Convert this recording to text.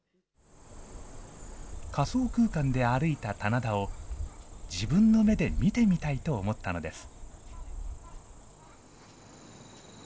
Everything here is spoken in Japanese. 仮想空間で歩いた棚田を自分の目で見てみたいと思ったのです。